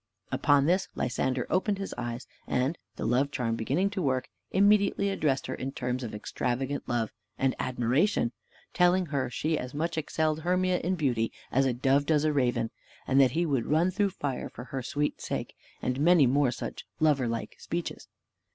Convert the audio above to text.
Upon this Lysander opened his eyes, and (the love charm beginning to work) immediately addressed her in terms of extravagant love and admiration; telling her she as much excelled Hermia in beauty as a dove does a raven, and that he would run through fire for her sweet sake; and many more such lover like speeches.